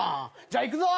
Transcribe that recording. じゃあいくぞ！